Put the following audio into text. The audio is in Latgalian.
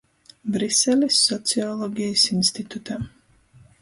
Briselis Sociologejis institutā,